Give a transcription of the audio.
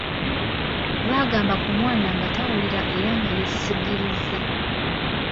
Baagamba ku mwana nga tawulira era nga yeesisiggiriza.